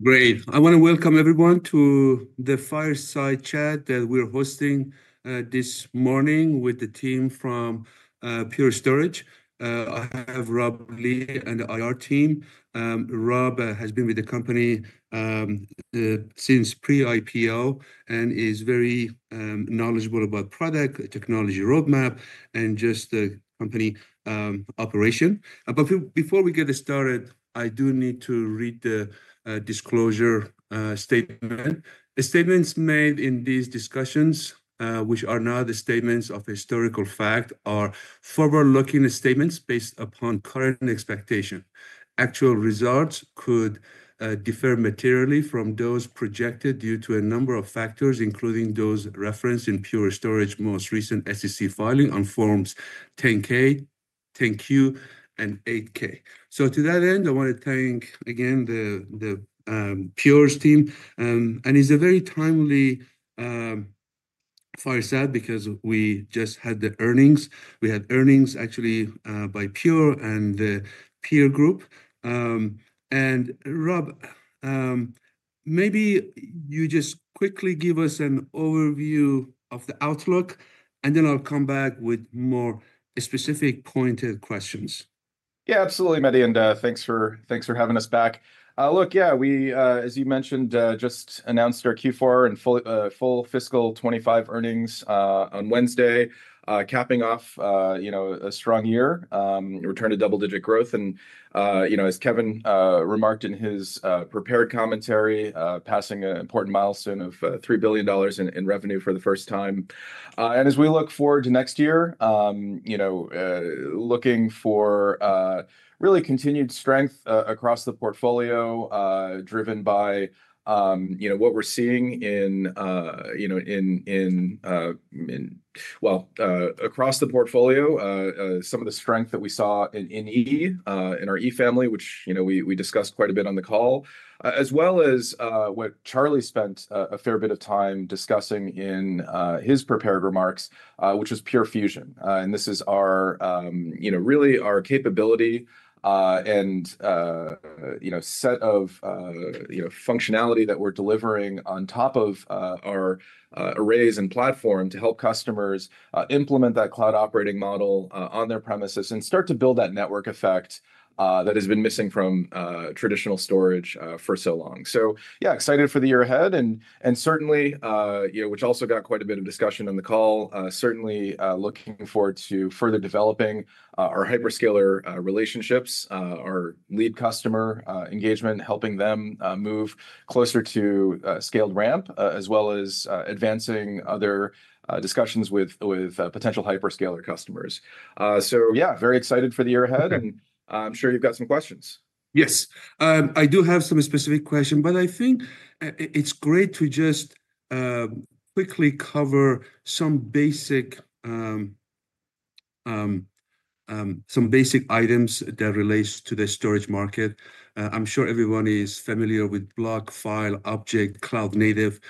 Great. I want to welcome everyone to the fireside chat that we're hosting this morning with the team from Pure Storage. I have Rob Lee and the IR team. Rob has been with the company since pre-IPO and is very knowledgeable about product technology roadmap and just the company operation. But before we get started, I do need to read the disclosure statement. The statements made in these discussions, which are now the statements of historical fact, are forward-looking statements based upon current expectations. Actual results could differ materially from those projected due to a number of factors, including those referenced in Pure Storage's most recent SEC filing on Forms 10-K, 10-Q, and 8-K. So to that end, I want to thank again the Pure team. And it's a very timely fireside because we just had the earnings. We had earnings actually by Pure and the peer group. Rob, maybe you just quickly give us an overview of the outlook, and then I'll come back with more specific pointed questions. Yeah, absolutely, Mehdi. And thanks for having us back. Look, yeah, we, as you mentioned, just announced our Q4 and full fiscal 2025 earnings on Wednesday, capping off a strong year, return to double-digit growth. And as Kevan remarked in his prepared commentary, passing an important milestone of $3 billion in revenue for the first time. And as we look forward to next year, looking for really continued strength across the portfolio driven by what we're seeing in, well, across the portfolio, some of the strength that we saw in E, in our E Family, which we discussed quite a bit on the call, as well as what Charlie spent a fair bit of time discussing in his prepared remarks, which was Pure Fusion. This is really our capability and set of functionality that we're delivering on top of our arrays and platform to help customers implement that cloud operating model on their premises and start to build that network effect that has been missing from traditional storage for so long. So yeah, excited for the year ahead. And certainly, which also got quite a bit of discussion on the call, certainly looking forward to further developing our hyperscaler relationships, our lead customer engagement, helping them move closer to scaled ramp, as well as advancing other discussions with potential hyperscaler customers. So yeah, very excited for the year ahead. And I'm sure you've got some questions. Yes. I do have some specific questions, but I think it's great to just quickly cover some basic items that relate to the storage market. I'm sure everyone is familiar with block, file, object, cloud native,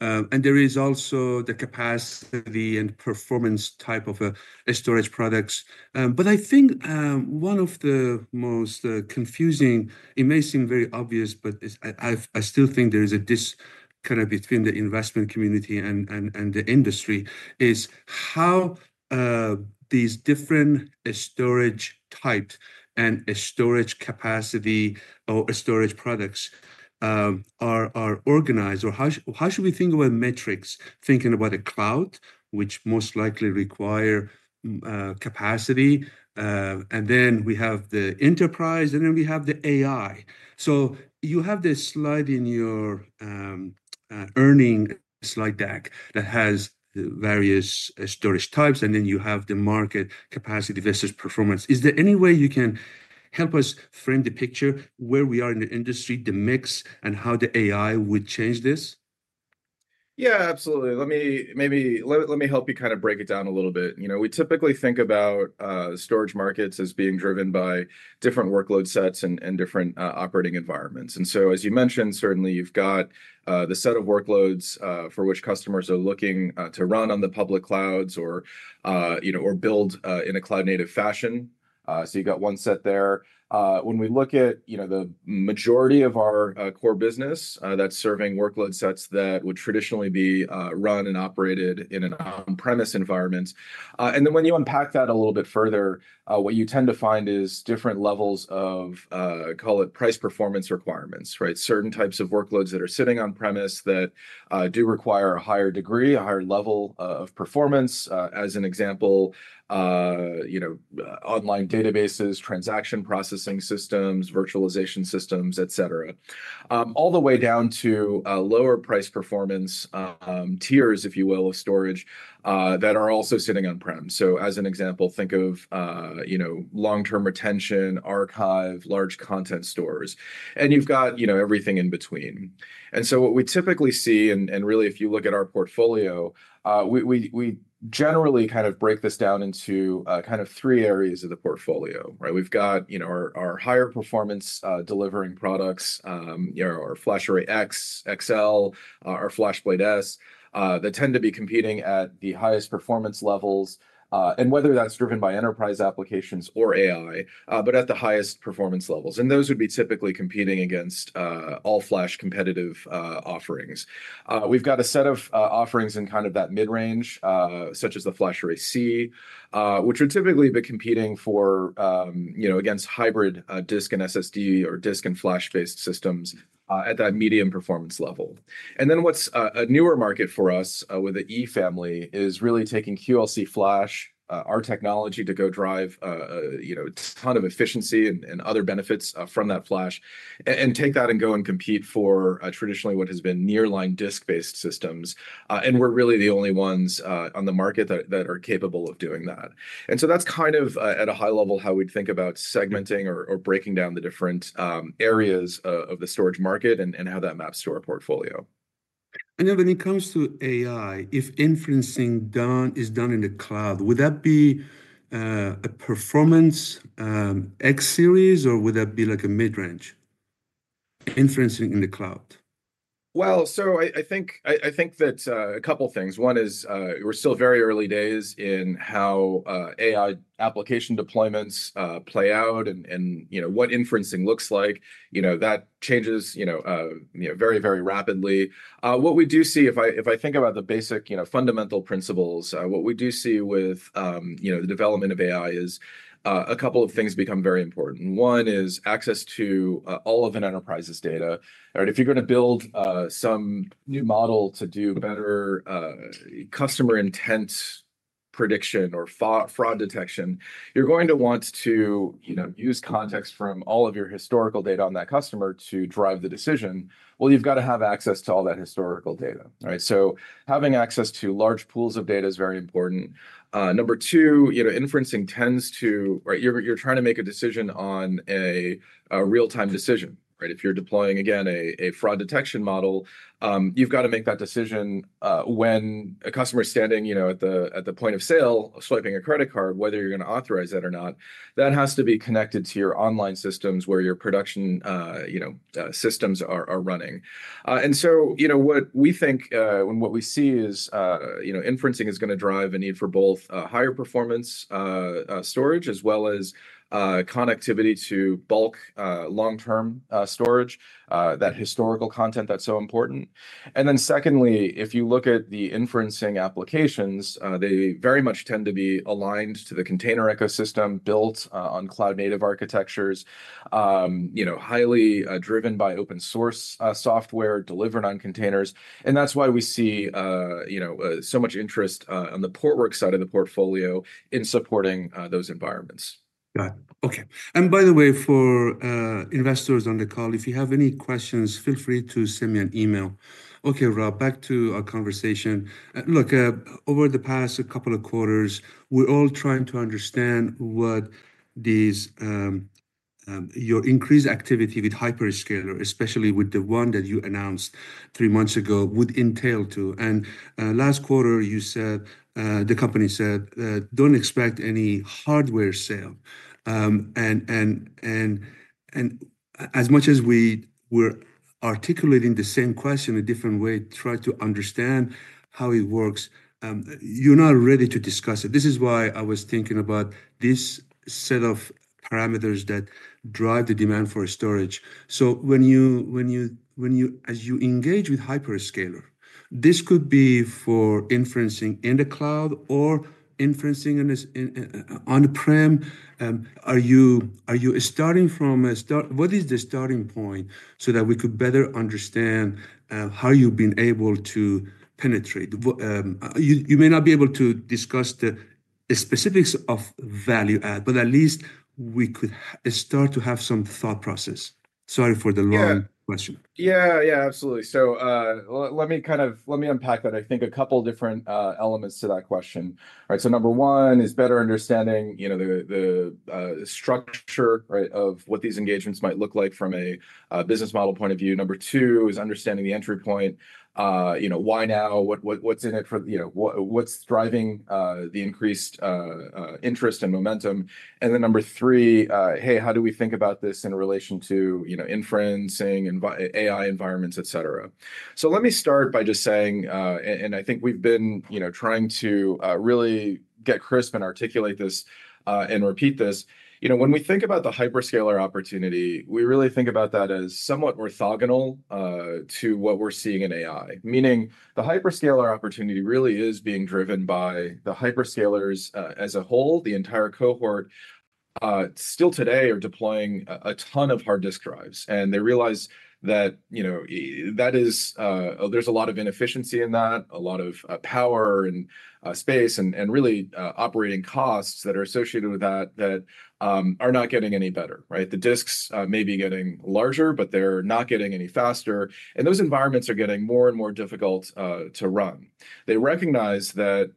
and there is also the capacity and performance type of storage products, but I think one of the most confusing, amazing, very obvious, but I still think there is a disconnect between the investment community and the industry is how these different storage types and storage capacity or storage products are organized or how should we think about metrics, thinking about a cloud, which most likely require capacity, and then we have the enterprise, and then we have the AI, so you have this slide in your earnings slide deck that has various storage types, and then you have the market capacity versus performance. Is there any way you can help us frame the picture where we are in the industry, the mix, and how the AI would change this? Yeah, absolutely. Maybe let me help you kind of break it down a little bit. We typically think about storage markets as being driven by different workload sets and different operating environments. And so as you mentioned, certainly you've got the set of workloads for which customers are looking to run on the public clouds or build in a cloud-native fashion. So you've got one set there. When we look at the majority of our core business, that's serving workload sets that would traditionally be run and operated in an on-premise environment. And then when you unpack that a little bit further, what you tend to find is different levels of, call it price performance requirements, right? Certain types of workloads that are sitting on-premise that do require a higher degree, a higher level of performance, as an example, online databases, transaction processing systems, virtualization systems, et cetera. All the way down to lower price performance tiers, if you will, of storage that are also sitting on-prem. So as an example, think of long-term retention, archive, large content stores. And you've got everything in between. And so what we typically see, and really if you look at our portfolio, we generally kind of break this down into kind of three areas of the portfolio, right? We've got our higher performance delivering products, our FlashArray//X, FlashArray//XL, our FlashBlade//S, that tend to be competing at the highest performance levels, and whether that's driven by enterprise applications or AI, but at the highest performance levels. And those would be typically competing against all-flash competitive offerings. We've got a set of offerings in kind of that mid-range, such as the FlashArray//C, which would typically be competing against hybrid disk and SSD or disk and flash-based systems at that medium performance level, and then what's a newer market for us with the E Family is really taking QLC Flash, our technology to go drive a ton of efficiency and other benefits from that flash, and take that and go and compete for traditionally what has been nearline disk-based systems, and we're really the only ones on the market that are capable of doing that, and so that's kind of at a high level how we'd think about segmenting or breaking down the different areas of the storage market and how that maps to our portfolio. And then when it comes to AI, if inferencing is done in the cloud, would that be a performance X series, or would that be like a mid-range inferencing in the cloud? I think that a couple of things. One is we're still very early days in how AI application deployments play out and what inferencing looks like. That changes very, very rapidly. What we do see, if I think about the basic fundamental principles, what we do see with the development of AI is a couple of things become very important. One is access to all of an enterprise's data. If you're going to build some new model to do better customer intent prediction or fraud detection, you're going to want to use context from all of your historical data on that customer to drive the decision. You've got to have access to all that historical data. Having access to large pools of data is very important. Number two, inferencing tends to, right, you're trying to make a decision on a real-time decision, right? If you're deploying, again, a fraud detection model, you've got to make that decision when a customer is standing at the point of sale, swiping a credit card, whether you're going to authorize that or not, that has to be connected to your online systems where your production systems are running, and so what we think and what we see is inferencing is going to drive a need for both higher performance storage as well as connectivity to bulk long-term storage, that historical content that's so important, and then secondly, if you look at the inferencing applications, they very much tend to be aligned to the container ecosystem built on cloud-native architectures, highly driven by open-source software delivered on containers, and that's why we see so much interest on the Portworx side of the portfolio in supporting those environments. Got it. Okay. And by the way, for investors on the call, if you have any questions, feel free to send me an email. Okay, Rob, back to our conversation. Look, over the past couple of quarters, we're all trying to understand what your increased activity with hyperscaler, especially with the one that you announced three months ago, would entail to. And last quarter, you said, the company said, "Don't expect any hardware sale." And as much as we were articulating the same question a different way, try to understand how it works, you're not ready to discuss it. This is why I was thinking about this set of parameters that drive the demand for storage. So as you engage with hyperscaler, this could be for inferencing in the cloud or inferencing on-prem. Are you starting from a start? What is the starting point so that we could better understand how you've been able to penetrate? You may not be able to discuss the specifics of value add, but at least we could start to have some thought process. Sorry for the long question. Yeah, yeah, absolutely, so let me kind of unpack that. I think a couple of different elements to that question, so number one is better understanding the structure of what these engagements might look like from a business model point of view. Number two is understanding the entry point. Why now? What's in it for what's driving the increased interest and momentum? and then number three, hey, how do we think about this in relation to inferencing, AI environments, et cetera, so let me start by just saying, and I think we've been trying to really get crisp and articulate this and repeat this. When we think about the hyperscaler opportunity, we really think about that as somewhat orthogonal to what we're seeing in AI. Meaning the hyperscaler opportunity really is being driven by the hyperscalers as a whole, the entire cohort. Still today, they are deploying a ton of hard disk drives, and they realize that there's a lot of inefficiency in that, a lot of power and space, and really operating costs that are associated with that that are not getting any better. The disks may be getting larger, but they're not getting any faster, and those environments are getting more and more difficult to run. They recognize that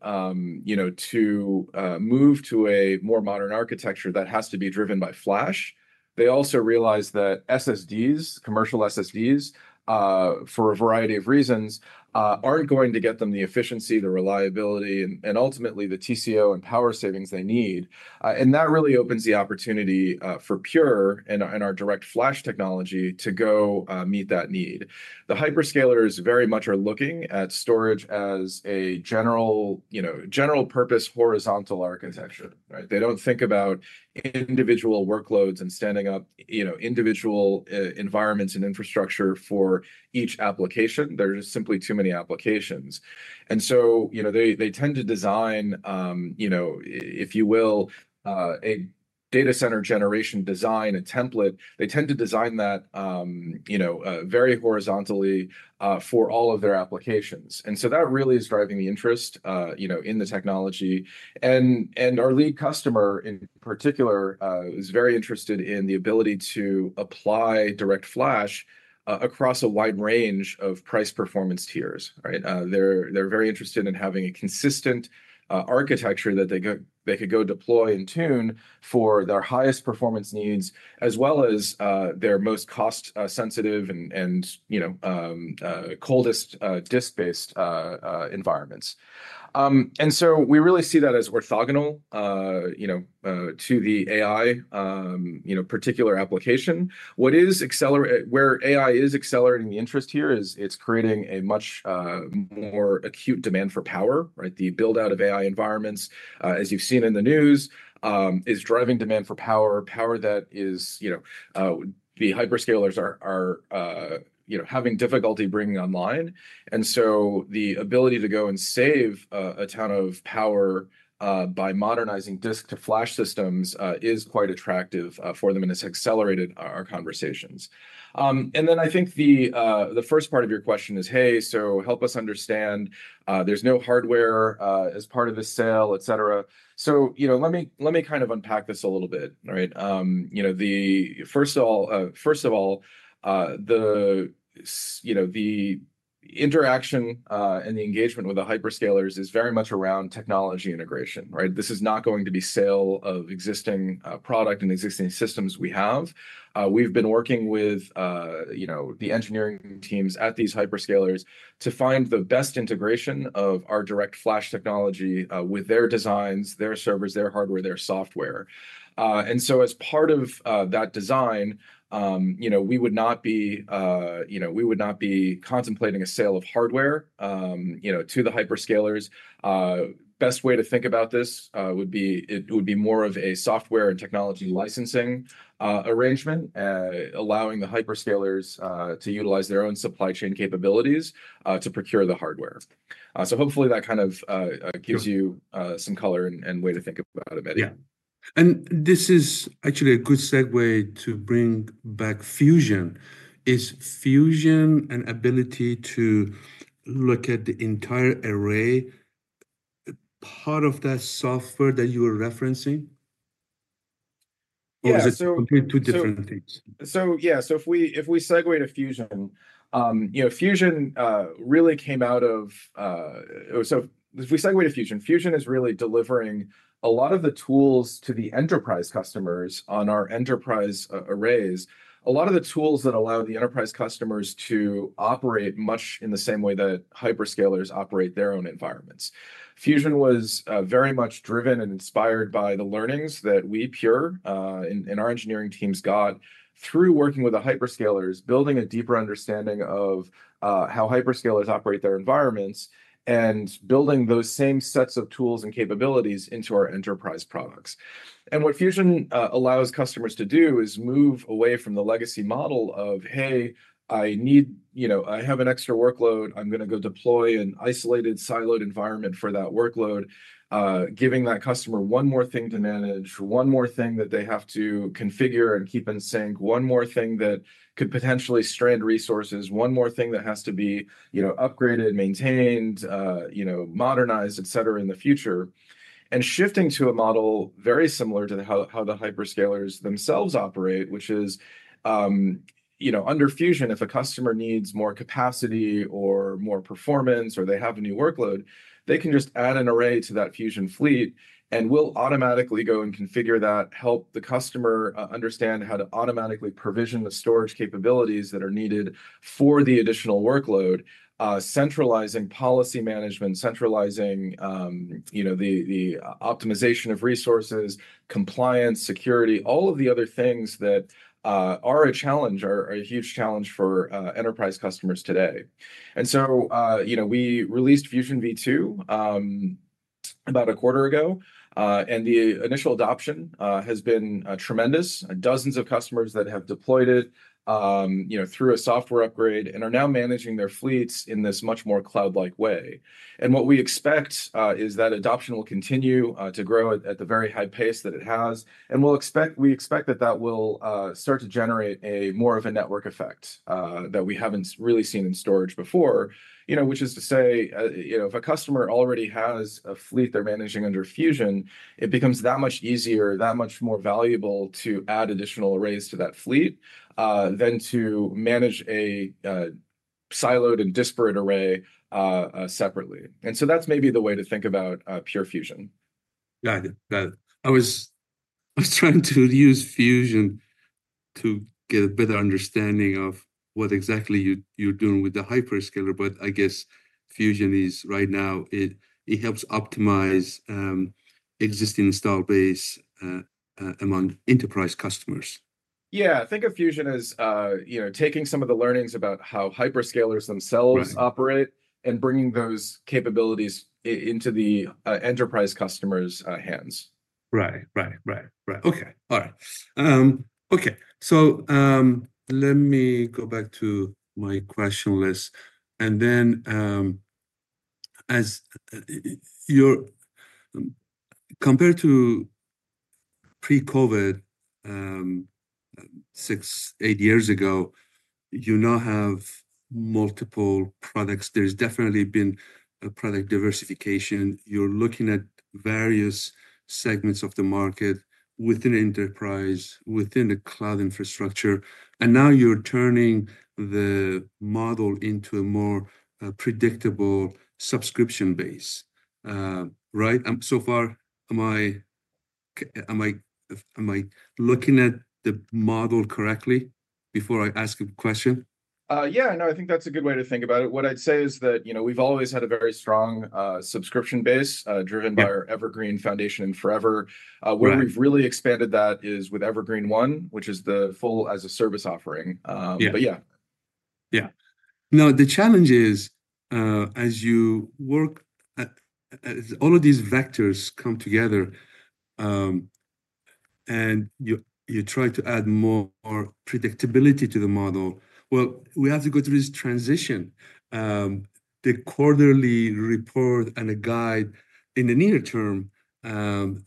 to move to a more modern architecture that has to be driven by flash. They also realize that SSDs, commercial SSDs, for a variety of reasons, aren't going to get them the efficiency, the reliability, and ultimately the TCO and power savings they need, and that really opens the opportunity for Pure and our DirectFlash technology to go meet that need. The hyperscalers very much are looking at storage as a general purpose horizontal architecture. They don't think about individual workloads and standing up individual environments and infrastructure for each application. There are just simply too many applications, and so they tend to design, if you will, a data center generation design, a template. They tend to design that very horizontally for all of their applications, and so that really is driving the interest in the technology. And our lead customer, in particular, is very interested in the ability to apply DirectFlash across a wide range of price-performance tiers. They're very interested in having a consistent architecture that they could go deploy and tune for their highest performance needs, as well as their most cost-sensitive and coldest disk-based environments, and so we really see that as orthogonal to the AI particular application. Where AI is accelerating the interest here is it's creating a much more acute demand for power. The build-out of AI environments, as you've seen in the news, is driving demand for power, power that the hyperscalers are having difficulty bringing online, and so the ability to go and save a ton of power by modernizing disk to flash systems is quite attractive for them and has accelerated our conversations, and then I think the first part of your question is, hey, so help us understand there's no hardware as part of the sale, et cetera, so let me kind of unpack this a little bit. First of all, the interaction and the engagement with the hyperscalers is very much around technology integration. This is not going to be sale of existing product and existing systems we have. We've been working with the engineering teams at these hyperscalers to find the best integration of our DirectFlash technology with their designs, their servers, their hardware, their software. As part of that design, we would not be contemplating a sale of hardware to the hyperscalers. Best way to think about this would be more of a software and technology licensing arrangement, allowing the hyperscalers to utilize their own supply chain capabilities to procure the hardware. Hopefully that kind of gives you some color and way to think about it, maybe. Yeah, and this is actually a good segue to bring back Fusion. Is Fusion an ability to look at the entire array part of that software that you were referencing? Or is it completely two different things? So yeah, so if we segue to Fusion, Fusion really came out of so if we segue to Fusion, Fusion is really delivering a lot of the tools to the enterprise customers on our enterprise arrays, a lot of the tools that allow the enterprise customers to operate much in the same way that hyperscalers operate their own environments. Fusion was very much driven and inspired by the learnings that we, Pure, and our engineering teams got through working with the hyperscalers, building a deeper understanding of how hyperscalers operate their environments, and building those same sets of tools and capabilities into our enterprise products. And what Fusion allows customers to do is move away from the legacy model of, hey, I have an extra workload. I'm going to go deploy an isolated siloed environment for that workload, giving that customer one more thing to manage, one more thing that they have to configure and keep in sync, one more thing that could potentially strain resources, one more thing that has to be upgraded, maintained, modernized, et cetera, in the future and shifting to a model very similar to how the hyperscalers themselves operate, which is under Fusion. If a customer needs more capacity or more performance or they have a new workload, they can just add an array to that Fusion fleet and will automatically go and configure that, help the customer understand how to automatically provision the storage capabilities that are needed for the additional workload, centralizing policy management, centralizing the optimization of resources, compliance, security, all of the other things that are a challenge, are a huge challenge for enterprise customers today. And so we released Fusion v2 about a quarter ago. And the initial adoption has been tremendous. Dozens of customers that have deployed it through a software upgrade and are now managing their fleets in this much more cloud-like way. And what we expect is that adoption will continue to grow at the very high pace that it has. And we expect that that will start to generate more of a network effect that we haven't really seen in storage before, which is to say, if a customer already has a fleet they're managing under Fusion, it becomes that much easier, that much more valuable to add additional arrays to that fleet than to manage a siloed and disparate array separately. And so that's maybe the way to think about Pure Fusion. Got it. Got it. I was trying to use fusion to get a better understanding of what exactly you're doing with the hyperscaler. But I guess fusion is right now, it helps optimize existing installed base among enterprise customers? Yeah. Think of Fusion as taking some of the learnings about how hyperscalers themselves operate and bringing those capabilities into the enterprise customers' hands. Right. Okay. All right. Okay. So let me go back to my question list. And then compared to pre-COVID, six, eight years ago, you now have multiple products. There's definitely been a product diversification. You're looking at various segments of the market within enterprise, within the cloud infrastructure. And now you're turning the model into a more predictable subscription base. Right? So far, am I looking at the model correctly before I ask a question? Yeah. No, I think that's a good way to think about it. What I'd say is that we've always had a very strong subscription base driven by our Evergreen//Forever. Where we've really expanded that is with Evergreen//One, which is the full as-a-service offering. But yeah. Yeah. Now, the challenge is, as you work, all of these vectors come together, and you try to add more predictability to the model. We have to go through this transition. The quarterly report and a guide in the near term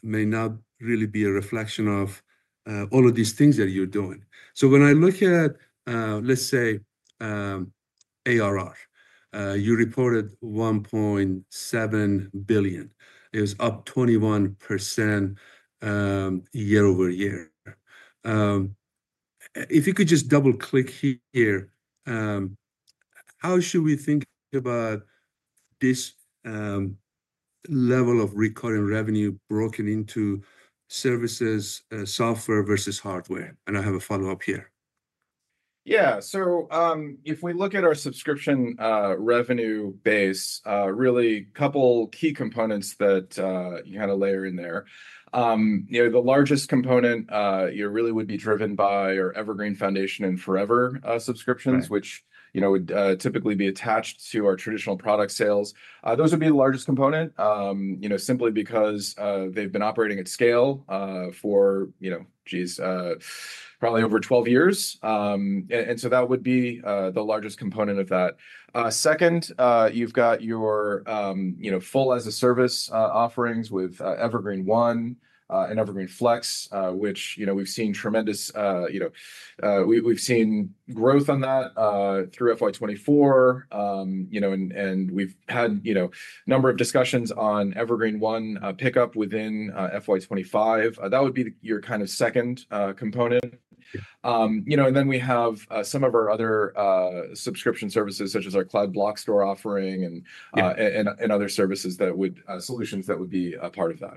may not really be a reflection of all of these things that you're doing. When I look at, let's say, ARR, you reported $1.7 billion. It was up 21% year-over-year. If you could just double-click here, how should we think about this level of recurring revenue broken into services, software versus hardware? And I have a follow-up here. Yeah. So if we look at our subscription revenue base, really a couple of key components that you kind of layer in there. The largest component really would be driven by our Evergreen//Forever subscriptions, which would typically be attached to our traditional product sales. Those would be the largest component simply because they've been operating at scale for, geez, probably over 12 years. And so that would be the largest component of that. Second, you've got your full as-a-service offerings with Evergreen//One and Evergreen//Flex, which we've seen tremendous growth on that through FY24. And we've had a number of discussions on Evergreen//One pickup within FY25. That would be your kind of second component. And then we have some of our other subscription services, such as our Cloud Block Store offering and other solutions that would be a part of that.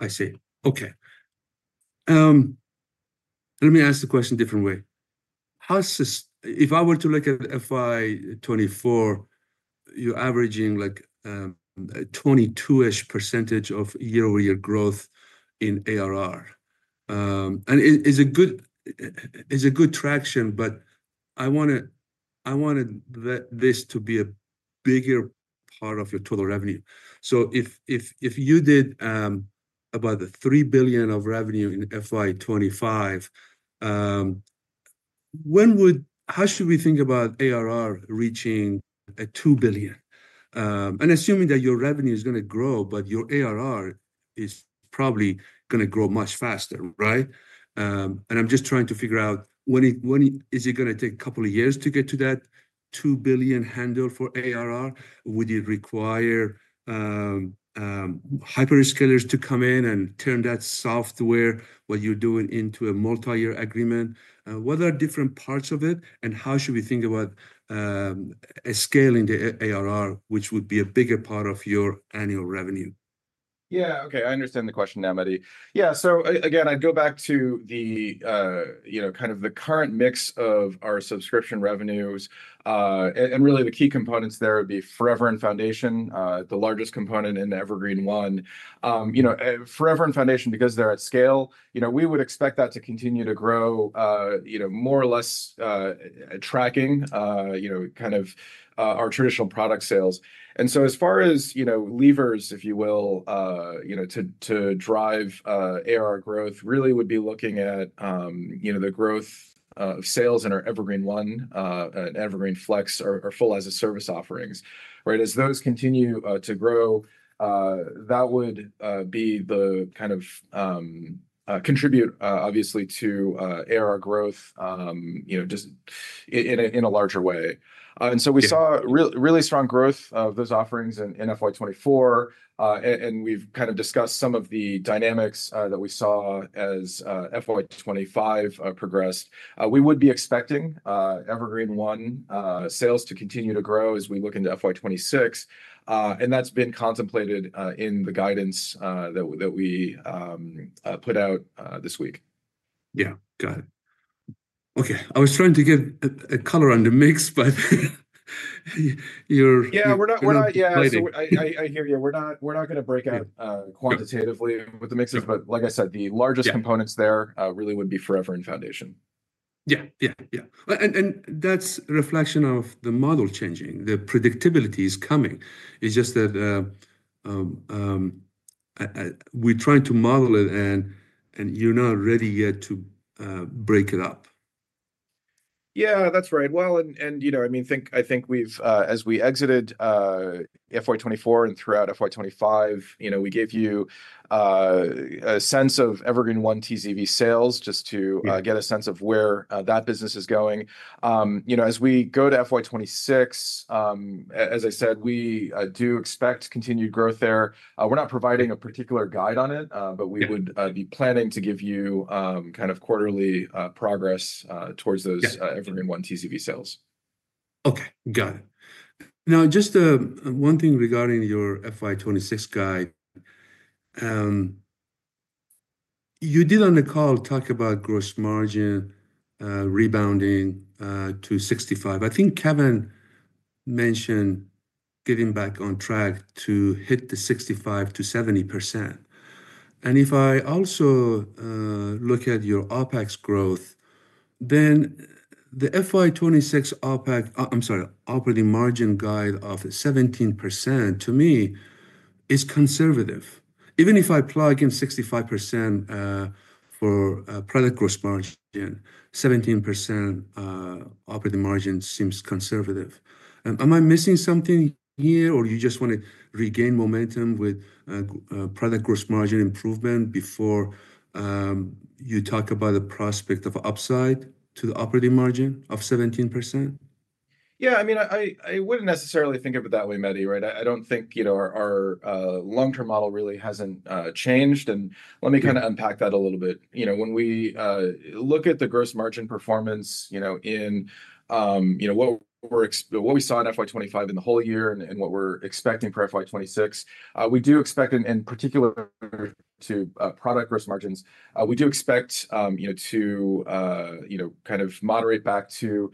I see. Okay. Let me ask the question a different way. If I were to look at FY24, you're averaging like a 22-ish% year-over-year growth in ARR. And it's a good traction, but I wanted this to be a bigger part of your total revenue. So if you did about $3 billion of revenue in FY25, how should we think about ARR reaching $2 billion? And assuming that your revenue is going to grow, but your ARR is probably going to grow much faster, right? And I'm just trying to figure out, is it going to take a couple of years to get to that $2 billion handle for ARR? Would it require hyperscalers to come in and turn that software, what you're doing, into a multi-year agreement? What are different parts of it? How should we think about scaling the ARR, which would be a bigger part of your annual revenue? Yeah. Okay. I understand the question now, Mehdi. Yeah. So again, I'd go back to kind of the current mix of our subscription revenues. And really, the key components there would be Forever and Foundation, the largest component in Evergreen//One. Forever and Foundation, because they're at scale, we would expect that to continue to grow more or less tracking kind of our traditional product sales. And so as far as levers, if you will, to drive ARR growth, really would be looking at the growth of sales in our Evergreen//One and Evergreen//Flex or full as-a-service offerings. As those continue to grow, that would be the kind of contribute, obviously, to ARR growth in a larger way. And so we saw really strong growth of those offerings in FY24. And we've kind of discussed some of the dynamics that we saw as FY25 progressed. We would be expecting Evergreen One sales to continue to grow as we look into FY26 and that's been contemplated in the guidance that we put out this week. Yeah. Got it. Okay. I was trying to get a color on the mix, but you're. So I hear you. We're not going to break out quantitatively with the mixes. But like I said, the largest components there really would be Forever and Foundation. Yeah. Yeah. Yeah. And that's a reflection of the model changing. The predictability is coming. It's just that we're trying to model it, and you're not ready yet to break it up. Yeah. That's right. Well, and I mean, I think as we exited FY24 and throughout FY25, we gave you a sense of Evergreen One TCV sales just to get a sense of where that business is going. As we go to FY26, as I said, we do expect continued growth there. We're not providing a particular guide on it, but we would be planning to give you kind of quarterly progress towards those Evergreen One TCV sales. Okay. Got it. Now, just one thing regarding your FY26 guide. You did, on the call, talk about gross margin rebounding to 65%. I think Kevan mentioned getting back on track to hit the 65%-70%. And if I also look at your OpEx growth, then the FY26 OpEx, I'm sorry, operating margin guide of 17%, to me, is conservative. Even if I plug in 65% for product gross margin, 17% operating margin seems conservative. Am I missing something here, or you just want to regain momentum with product gross margin improvement before you talk about the prospect of upside to the operating margin of 17%? Yeah. I mean, I wouldn't necessarily think of it that way, Mehdi, right? I don't think our long-term model really hasn't changed. And let me kind of unpack that a little bit. When we look at the gross margin performance in what we saw in FY25 in the whole year and what we're expecting for FY26, we do expect, in particular, to product gross margins, we do expect to kind of moderate back to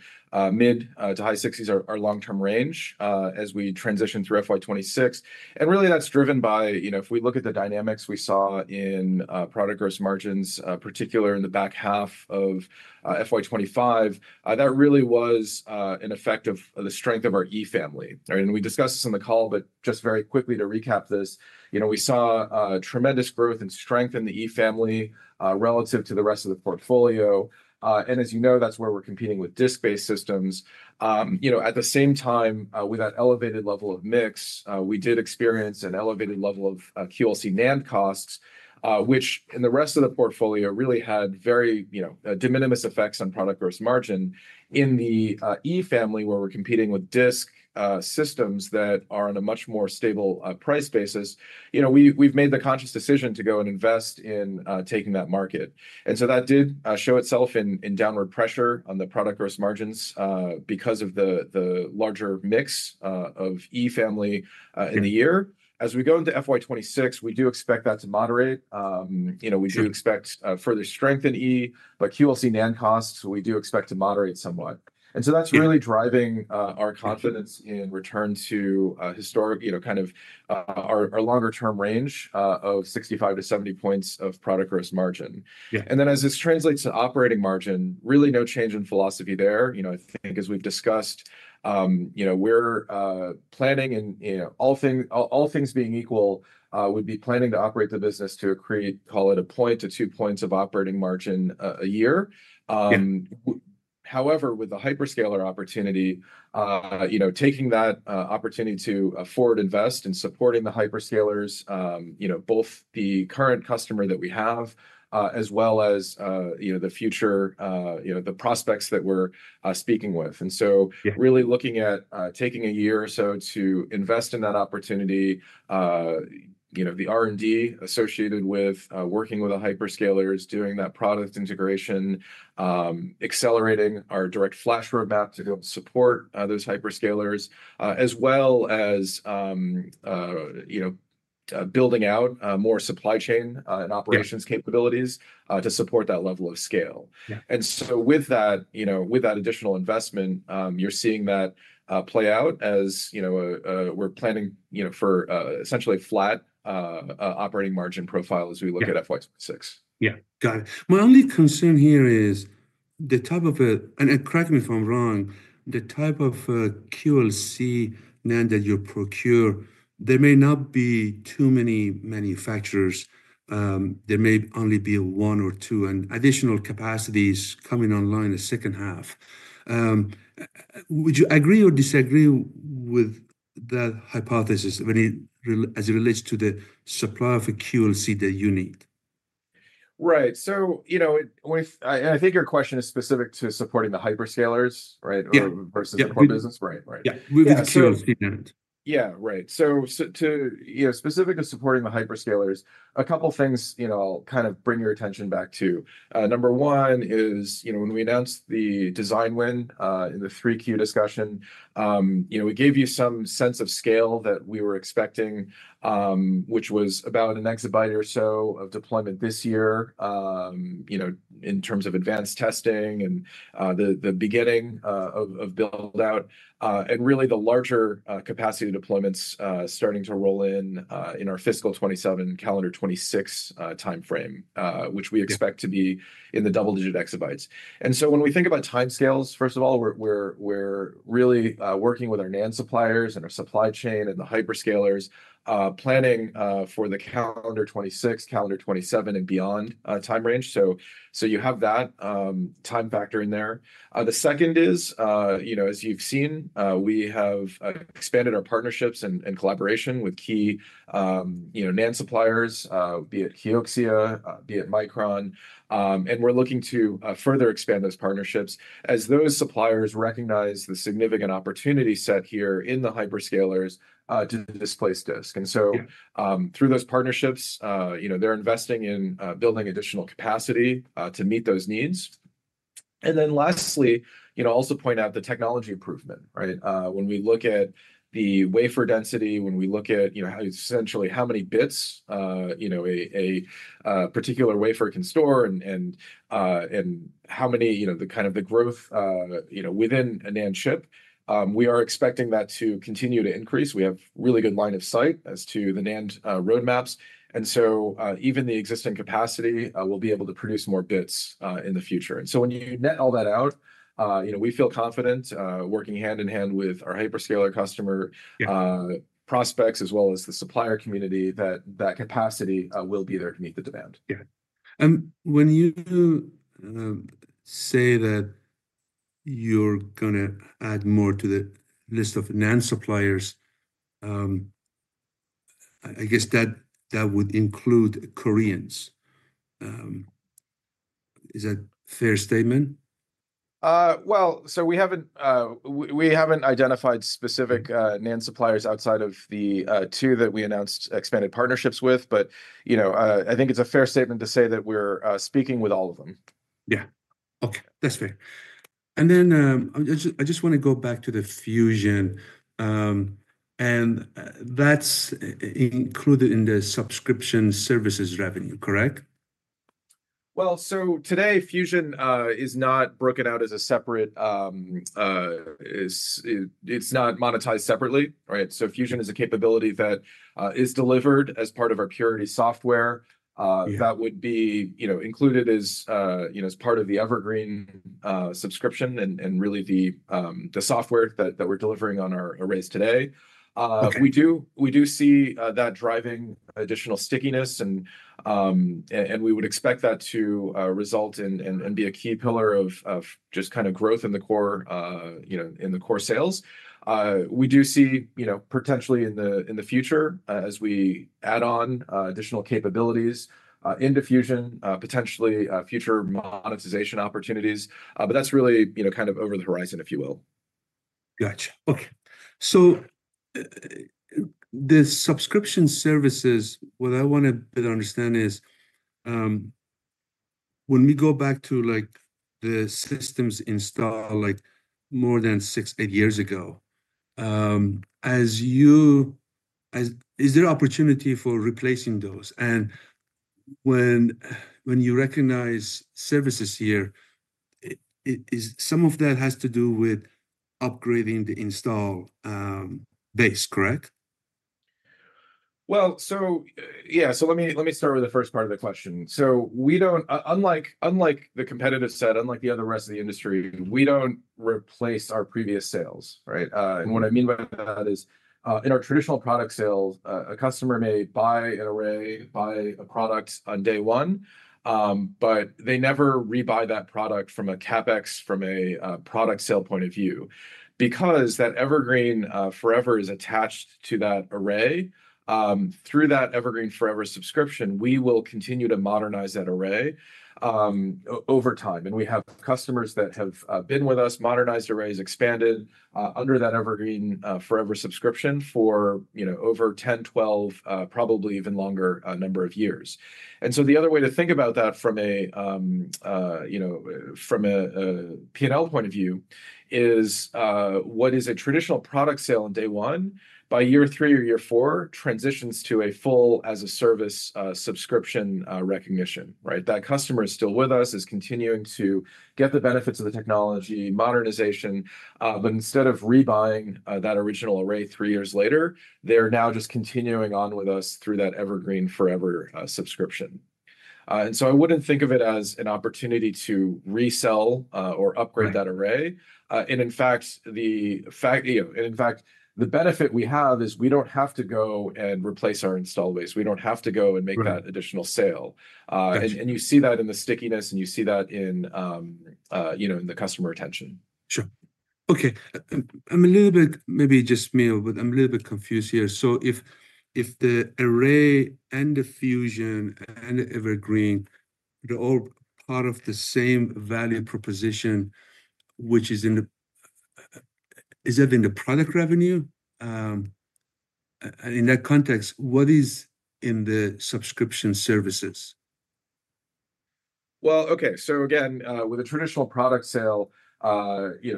mid- to high-60s or long-term range as we transition through FY26. And really, that's driven by, if we look at the dynamics we saw in product gross margins, particularly in the back half of FY25, that really was an effect of the strength of our E Family. We discussed this on the call, but just very quickly to recap this, we saw tremendous growth and strength in the E Family relative to the rest of the portfolio. And as you know, that's where we're competing with disk-based systems. At the same time, with that elevated level of mix, we did experience an elevated level of QLC NAND costs, which in the rest of the portfolio really had very de minimis effects on product gross margin. In the E Family, where we're competing with disk systems that are on a much more stable price basis, we've made the conscious decision to go and invest in taking that market. And so that did show itself in downward pressure on the product gross margins because of the larger mix of E Family in the year. As we go into FY26, we do expect that to moderate. We do expect further strength in E, but QLC NAND costs we do expect to moderate somewhat, and so that's really driving our confidence in return to historic kind of our longer-term range of 65-70 points of product gross margin, and then as this translates to operating margin, really no change in philosophy there. I think as we've discussed, we're planning, and all things being equal, would be planning to operate the business to create, call it a point to two points of operating margin a year. However, with the hyperscaler opportunity, taking that opportunity to forward invest and supporting the hyperscalers, both the current customer that we have as well as the future, the prospects that we're speaking with. And so really looking at taking a year or so to invest in that opportunity, the R&D associated with working with the hyperscalers, doing that product integration, accelerating our DirectFlash roadmap to help support those hyperscalers, as well as building out more supply chain and operations capabilities to support that level of scale. And so with that additional investment, you're seeing that play out as we're planning for essentially a flat operating margin profile as we look at FY26. Yeah. Got it. My only concern here is the type of, and correct me if I'm wrong, the type of QLC NAND that you procure, there may not be too many manufacturers. There may only be one or two and additional capacities coming online the second half. Would you agree or disagree with that hypothesis as it relates to the supply of the QLC that you need? Right. And I think your question is specific to supporting the hyperscalers, right, versus the core business. Yeah. Absolutely. Right. Right. Yeah. Moving to QLC NAND. Yeah. Right. So, specific to supporting the hyperscalers, a couple of things I'll kind of bring your attention back to. Number one is when we announced the design win in the QLC discussion, we gave you some sense of scale that we were expecting, which was about an exabyte or so of deployment this year in terms of advanced testing and the beginning of build-out. And really, the larger capacity deployments starting to roll in in our fiscal 2027 calendar 2026 timeframe, which we expect to be in the double-digit exabytes. And so when we think about timescales, first of all, we're really working with our NAND suppliers and our supply chain and the hyperscalers planning for the calendar 2026, calendar 2027, and beyond time range. So you have that time factor in there. The second is, as you've seen, we have expanded our partnerships and collaboration with key NAND suppliers, be it Kioxia, be it Micron. And we're looking to further expand those partnerships as those suppliers recognize the significant opportunity set here in the hyperscalers to displace disk. And so through those partnerships, they're investing in building additional capacity to meet those needs. And then lastly, I'll also point out the technology improvement, right? When we look at the wafer density, when we look at essentially how many bits a particular wafer can store and how many kind of the growth within a NAND chip, we are expecting that to continue to increase. We have a really good line of sight as to the NAND roadmaps. And so even the existing capacity will be able to produce more bits in the future. So when you net all that out, we feel confident working hand in hand with our hyperscaler customer prospects as well as the supplier community that that capacity will be there to meet the demand. Yeah. And when you say that you're going to add more to the list of NAND suppliers, I guess that would include Koreans. Is that a fair statement? We haven't identified specific NAND suppliers outside of the two that we announced expanded partnerships with, but I think it's a fair statement to say that we're speaking with all of them. Yeah. Okay. That's fair. And then I just want to go back to the Fusion. And that's included in the subscription services revenue, correct? So today, Fusion is not broken out as a separate. It's not monetized separately, right? So Fusion is a capability that is delivered as part of our Purity software that would be included as part of the Evergreen subscription and really the software that we're delivering on our arrays today. We do see that driving additional stickiness, and we would expect that to result in and be a key pillar of just kind of growth in the core sales. We do see potentially in the future as we add on additional capabilities into Fusion, potentially future monetization opportunities. But that's really kind of over the horizon, if you will. Gotcha. Okay. So the subscription services, what I want to better understand is when we go back to the systems installed more than six, eight years ago, is there an opportunity for replacing those? And when you recognize services here, some of that has to do with upgrading the install base, correct? Let me start with the first part of the question. Unlike the competitive set, unlike the other rest of the industry, we don't replace our previous sales, right, and what I mean by that is in our traditional product sales, a customer may buy an array, buy a product on day one, but they never rebuy that product from a CapEx, from a product sale point of view. Because that Evergreen Forever is attached to that array, through that Evergreen Forever subscription, we will continue to modernize that array over time, and we have customers that have been with us, modernized arrays, expanded under that Evergreen Forever subscription for over 10, 12, probably even longer number of years. And so the other way to think about that from a P&L point of view is what is a traditional product sale on day one. By year three or year four, it transitions to a full as-a-service subscription recognition, right? That customer is still with us, is continuing to get the benefits of the technology, modernization, but instead of rebuying that original array three years later, they're now just continuing on with us through that Evergreen//Forever subscription. And so I wouldn't think of it as an opportunity to resell or upgrade that array, and in fact, the benefit we have is we don't have to go and replace our install base. We don't have to go and make that additional sale, and you see that in the stickiness, and you see that in the customer retention. Sure. Okay. I'm a little bit maybe just me, but I'm a little bit confused here. So if the array and the Fusion and the Evergreen are all part of the same value proposition, which is in the, is that in the product revenue? In that context, what is in the subscription services? Okay. So again, with a traditional product sale,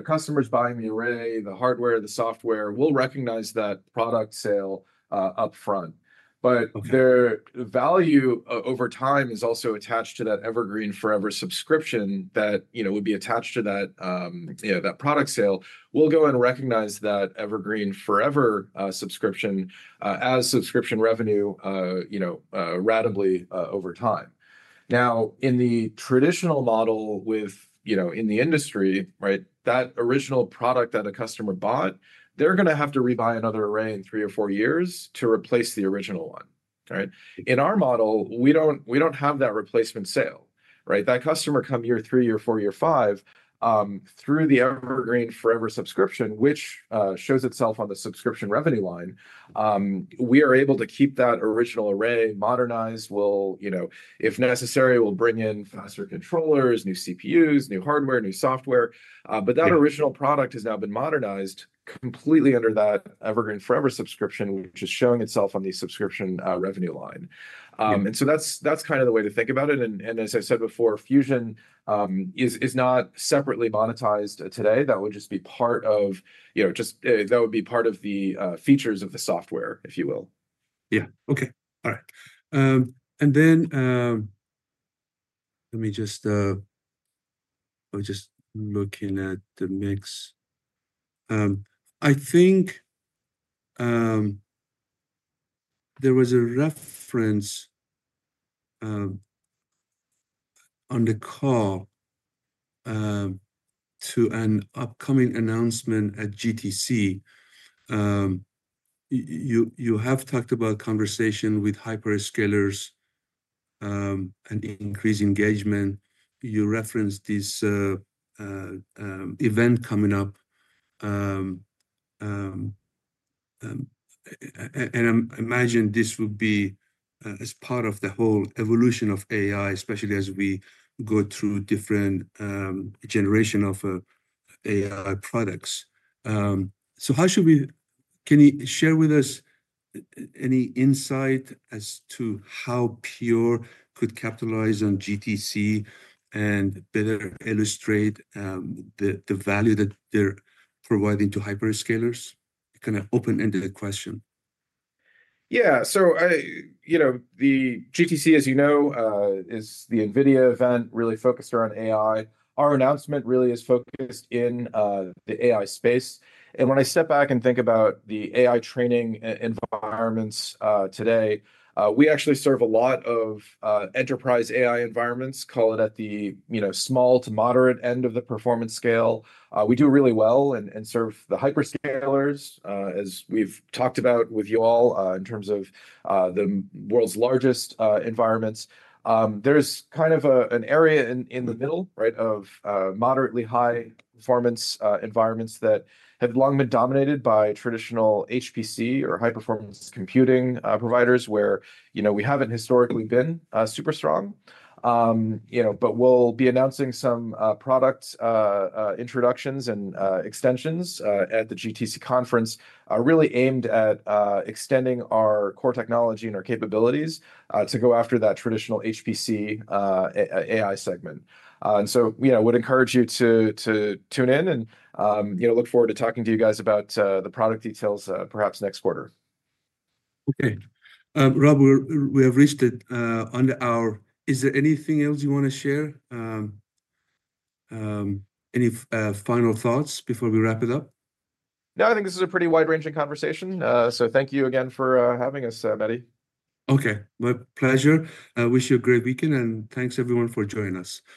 customers buying the array, the hardware, the software, we'll recognize that product sale upfront. But their value over time is also attached to that Evergreen Forever subscription that would be attached to that product sale. We'll go and recognize that Evergreen Forever subscription as subscription revenue ratably over time. Now, in the traditional model within the industry, right, that original product that a customer bought, they're going to have to rebuy another array in three or four years to replace the original one, right? In our model, we don't have that replacement sale, right? That customer comes year three, year four, year five through the Evergreen Forever subscription, which shows itself on the subscription revenue line. We are able to keep that original array modernized. If necessary, we'll bring in faster controllers, new CPUs, new hardware, new software. But that original product has now been modernized completely under that Evergreen Forever subscription, which is showing itself on the subscription revenue line. And so that's kind of the way to think about it. And as I said before, Fusion is not separately monetized today. That would just be part of the features of the software, if you will. Yeah. Okay. All right. And then let me just look at the mix. I think there was a reference on the call to an upcoming announcement at GTC. You have talked about conversations with hyperscalers and increased engagement. You referenced this event coming up. And I imagine this would be as part of the whole evolution of AI, especially as we go through different generations of AI products. So can you share with us any insight as to how Pure could capitalize on GTC and better illustrate the value that they're providing to hyperscalers? Kind of open-ended question. Yeah. So the GTC, as you know, is the NVIDIA event really focused around AI. Our announcement really is focused in the AI space. And when I step back and think about the AI training environments today, we actually serve a lot of enterprise AI environments, call it at the small to moderate end of the performance scale. We do really well and serve the hyperscalers, as we've talked about with you all in terms of the world's largest environments. There's kind of an area in the middle, right, of moderately high performance environments that have long been dominated by traditional HPC or high-performance computing providers where we haven't historically been super strong. But we'll be announcing some product introductions and extensions at the GTC conference really aimed at extending our core technology and our capabilities to go after that traditional HPC AI segment. I would encourage you to tune in and look forward to talking to you guys about the product details perhaps next quarter. Okay. Rob, we have reached the end of our time. Is there anything else you want to share? Any final thoughts before we wrap it up? No, I think this is a pretty wide-ranging conversation. So thank you again for having us, Mehdi. Okay. My pleasure. I wish you a great weekend, and thanks everyone for joining us.